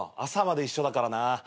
朝まで一緒だからな。